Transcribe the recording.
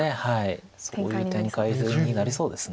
そういう展開になりそうです。